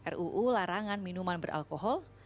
ruu larangan minuman beralkohol